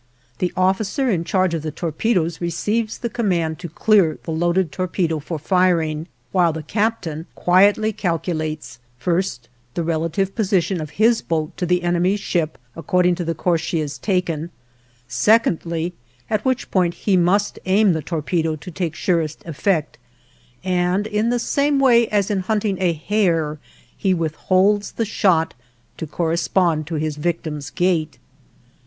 The officer in charge of the torpedoes receives the command to clear the loaded torpedo for firing, while the captain quietly calculates, first, the relative position of his boat to the enemy's ship, according to the course she has taken; secondly, at which point he must aim the torpedo to take surest effect, and in the same way as in hunting a hare he withholds the shot to correspond to his victim's gait.